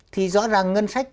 thì rõ ràng ngân sách